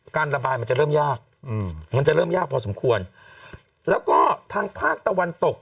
การระบายมันจะเริ่มยากอืมมันจะเริ่มยากพอสมควรแล้วก็ทางภาคตะวันตก